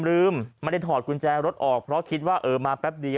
ลืมไม่ได้ถอดกุญแจรถออกเพราะคิดว่าเออมาแป๊บเดียว